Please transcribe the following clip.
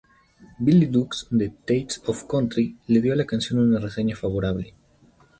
Billy Dukes de "Taste Of Country" le dio a la canción una reseña favorable.